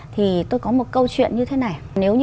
thì tôi có một câu chuyện như thế này